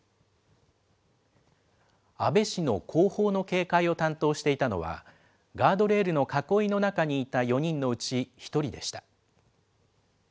安倍氏の後方の警戒を担当していたのは、ガードレールの囲いの中にいた４人のうち１人でした。